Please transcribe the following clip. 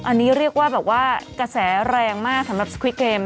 อันนี้เรียกว่าแบบว่ากระแสแรงมากสำหรับสควิดเกม